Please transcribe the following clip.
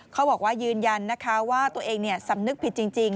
เขาบอกว่ายืนยันนะคะว่าตัวเองสำนึกผิดจริง